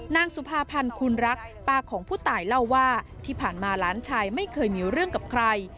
นางสุภาพันธ์คูณรักป้าของผู้ตายเล่าว่าที่ผ่านมาหลานชายไม่เคยมีเรื่องกับใคร